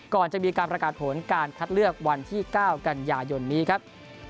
ก่อนจะมีการประกาศผลการคัดเลือกวันที่๙กันยายนนี้ครับ